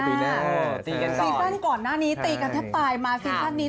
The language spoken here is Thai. ชีวิตด้านก่อนหน้านี้ตีกันถ้าตายมาชีวิตด้านนี้